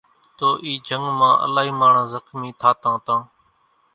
تو اِي جنگ مان الائي ماڻۿان زخمي ٿاتان تان